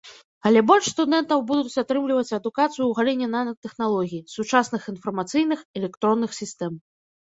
Але больш студэнтаў будуць атрымліваць адукацыю ў галіне нанатэхналогій, сучасных інфармацыйных, электронных сістэм.